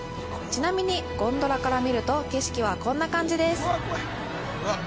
ちなみにゴンドラから見ると景色はこんな感じです